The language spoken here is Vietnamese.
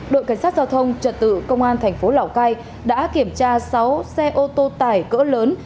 đội cảnh sát giao thông trật tự công an thành phố lào cai đã kiểm tra sáu xe ô tô tải cỡ lớn